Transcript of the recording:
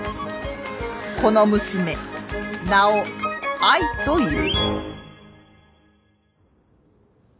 この娘名を愛という。